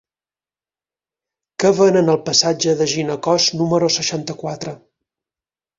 Què venen al passatge de Ginecòs número seixanta-quatre?